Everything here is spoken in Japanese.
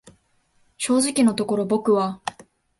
正直のところ僕は、